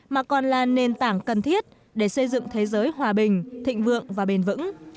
mà còn là nền tảng cần thiết để xây dựng thế giới hòa bình thịnh vượng và bền vững